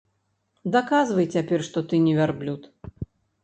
Даказвай цяпер, што ты не вярблюд.